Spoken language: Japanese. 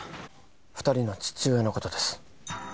二人の父親のことです